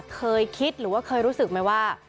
เคยคิดหรือว่าเคยรู้สึกไหมว่า